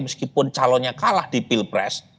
meskipun calonnya kalah di pilpres